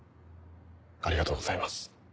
ありがとうございます。